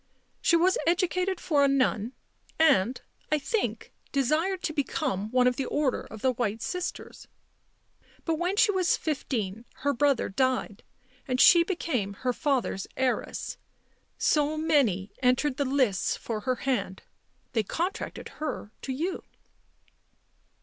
She was educated for a nun and, I think, desired to become one of the Order of the White Sisters. But when she was fifteen her brother died and she became her father's heiress. So many entered the lists for her hand— they contracted her to you."